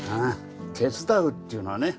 手伝うっていうのはね